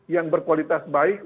yang berkualitas baik